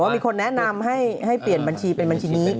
มีคนแนะนำให้เปลี่ยนบัญชีเป็นบัญชีนี้